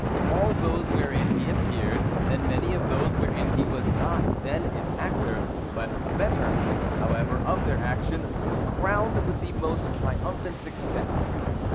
All those wherein he appeared and many of those wherein he was not then an actor, but abettor, however, of their action, were crowned with the most triumphant success.